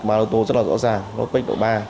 ba lô tô rất là rõ ràng nốt bếch độ ba